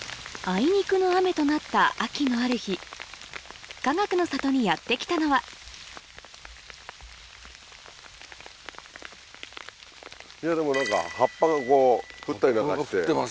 あいにくの雨となった秋のある日かがくの里にやって来たのはでも何か葉っぱがこう降ったりなんかして。